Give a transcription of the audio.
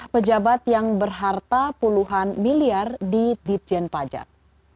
pejabat yang berharta puluhan miliar di ditjen pajak